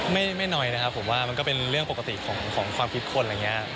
ไม่น้อยนะครับผมว่ามันก็เป็นเรื่องปกติของความคิดคนอะไรอย่างนี้